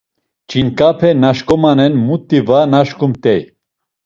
Ç̌inǩape na şǩomanen muti va naşǩumt̆ey.